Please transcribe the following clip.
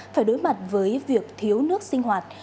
phải đối mặt với việc thiếu nước sinh hoạt